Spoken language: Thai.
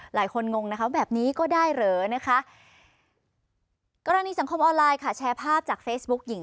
งงนะคะแบบนี้ก็ได้เหรอนะคะกรณีสังคมออนไลน์ค่ะแชร์ภาพจากเฟซบุ๊กหญิง